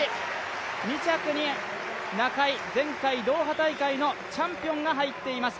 ２着にナカイ、前回、ドーハ大会のチャンピオンが入っています